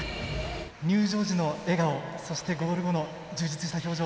入場時の笑顔そしてゴール後の充実した表情